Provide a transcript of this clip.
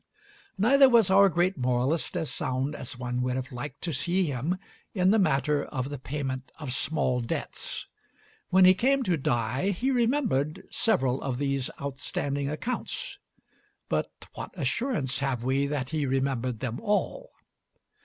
Neither was our great moralist as sound as one would have liked to see him in the matter of the payment of small debts. When he came to die, he remembered several of these outstanding accounts; but what assurance have we that he remembered them all?